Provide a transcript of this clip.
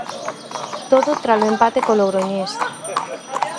Todo tras o empate co Logroñés.